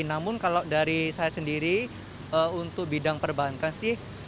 namun kalau dari saya sendiri untuk bidang perbankan sih